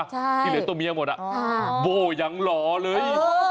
ที่เหลือตัวเมียหมดโบ้ยังหล่อเลย